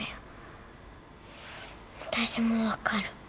私も分かる